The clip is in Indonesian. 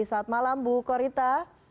selamat malam bu korita